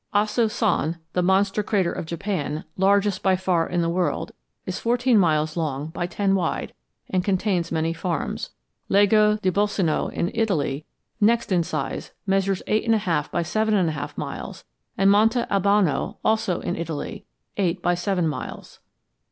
Aso san, the monster crater of Japan, largest by far in the world, is fourteen miles long by ten wide and contains many farms. Lago di Bolseno, in Italy, next in size, measures eight and a half by seven and a half miles; and Monte Albano, also in Italy, eight by seven miles.